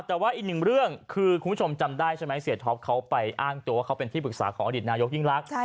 แต่ว่าอีกหนึ่งเรื่องคือคุณผู้ชมจำได้ใช่ไหมเสียท็อปเขาไปอ้างตัวว่าเขาเป็นที่ปรึกษาของอดีตนายกยิ่งรัก